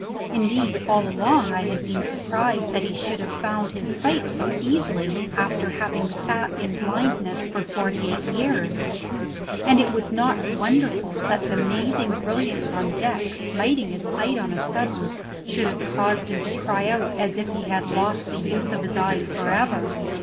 Indeed, all along I had been surprised that he should have found his sight so easily after having sat in blindness for forty eight years, and it was not wonderful that the amazing brilliance on deck, smiting his sight on a sudden, should have caused him to cry out as if he had lost the use of his eyes for ever.